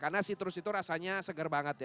karena citrus itu rasanya seger banget